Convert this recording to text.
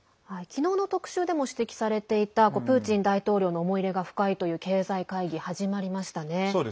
きのうの特集でも指摘されていたプーチン大統領の思い入れが深いという経済会議始まりましたね。